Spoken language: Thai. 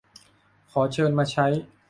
ขอเชิญมาใช้